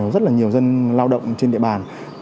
rất là nhiều dân lao động trên địa bàn